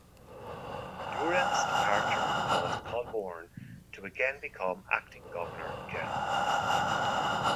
Durham's departure caused Colborne to again become acting Governor General.